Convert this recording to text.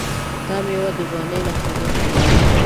دا میوه د ځوانۍ نښانې کموي.